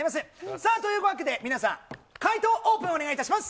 さあ、というわけで、皆さん、解答オープン、お願いいたします。